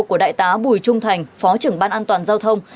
của đại tá bùi trung thành phó trưởng ban an toàn giao thông